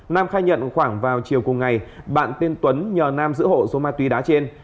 nam khai nhận khoảng vào chiều cùng ngày bạn tên tuấn nhờ nam giữ hộ số ma túy đá trên